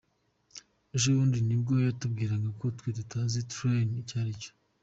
Ejobundi nibwo yatubwiragako twe tutazi train icyaricyo.